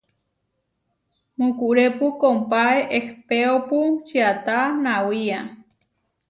Mukurépu kompáe ehpéopu čiatá nawía.